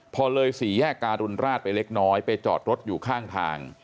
พอเลยสี่แยกการุณราชไปเล็กน้อยไปจอดรถอยู่ข้างทาง